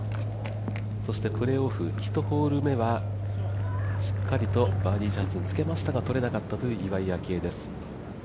そしてプレーオフ１ホール目はしっかりとバーディーチャンスにつけましたがとれなかったという岩井明愛です。